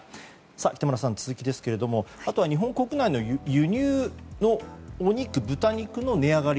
北村さん、続きですがあとは日本国内の輸入のお肉、豚肉の値上がり。